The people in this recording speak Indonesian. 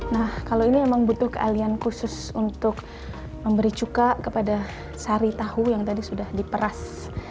nah kalau ini memang butuh keahlian khusus untuk memberi cuka kepada sari tahu yang tadi sudah diperas